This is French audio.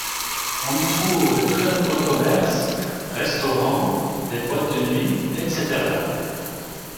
On y trouve de très nombreux commerces, restaurants, des boîtes de nuits, etc.